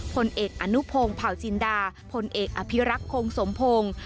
พลเอกอนุพงศ์เผาจินดาพลเอกอภิรักษ์โคงสมพงศ์